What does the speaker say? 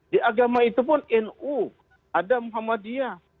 di agama itu pun nu ada muhammadiyah